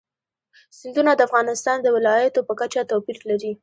سیندونه د افغانستان د ولایاتو په کچه توپیر لري.